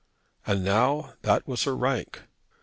And now that was her rank.